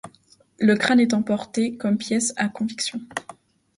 Le crâne est emporté comme pièce à conviction.